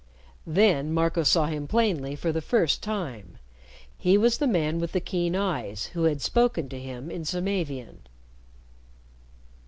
Then Marco saw him plainly for the first time. He was the man with the keen eyes who had spoken to him in Samavian.